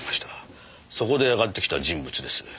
そこで上がってきた人物です。